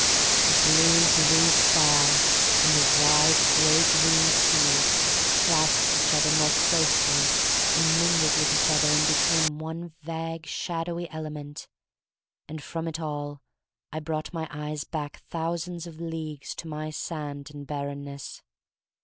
The blue, blue sky and the wide, gray green sea clasped each other more closely and mingled with each other and became one vague, shadowy element — and from it all I brought my eyes back thousands of leagues to my sand and barrenness.